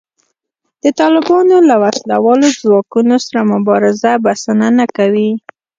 د طالبانو له وسله والو ځواکونو سره مبارزه بسنه نه کوي